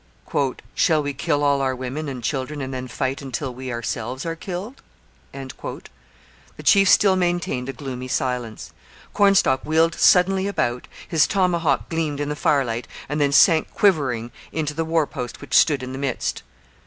'Shall we kill all our women and children and then fight until we ourselves are killed?' The chiefs still maintained a gloomy silence. Cornstalk wheeled suddenly about; his tomahawk gleamed in the firelight and then sank quivering into the war post which stood in the midst.